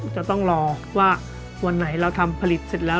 จะต้องรอว่าวันไหนเราทำผลิตเสร็จแล้ว